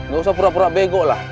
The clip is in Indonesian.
gak usah pura pura bego lah